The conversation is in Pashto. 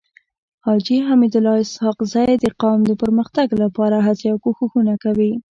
حاجي حميدالله اسحق زی د قوم د پرمختګ لپاره هڅي او کوښښونه کوي.